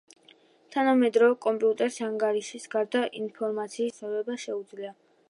თანამედროვე კომპიუტერს ანგარიშის გარდა, ინფორმაციის სწრაფი მოძებნა და დამახსოვრება შეუძლია